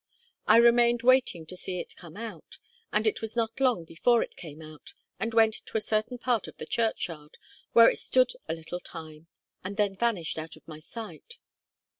I remained waiting to see it come out, and it was not long before it came out, and went to a certain part of the churchyard, where it stood a little time, and then vanished out of my sight.